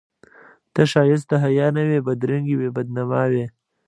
ته ښایست د حیا نه وې بدرنګي وې بد نما وې